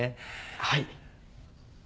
はい。